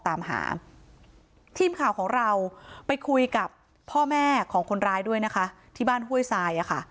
ตามหาทีมข่าวของเราไปคุยกับพ่อแม่ของคนร้ายด้วยนะคะที่บ้านห้วยทราย